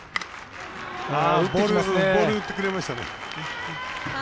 ボール打ってくれましたね。